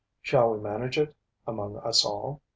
Shall we manage it, among us all?